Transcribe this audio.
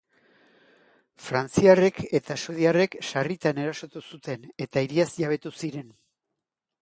Frantziarrek eta suediarrek sarritan erasotu zuten eta hiriaz jabetu ziren.